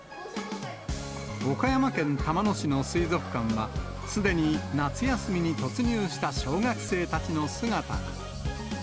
岡山県玉野市の水族館は、すでに夏休みに突入した小学生たちの姿が。